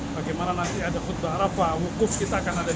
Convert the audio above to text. bagaimana nanti ada khutbah arafah wukuf kita akan ada